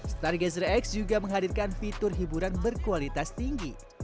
stargazer x juga menghadirkan fitur hiburan berkualitas tinggi